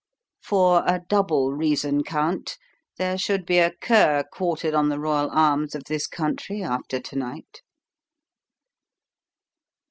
For a double reason, Count, there should be a cur quartered on the royal arms of this country after to night."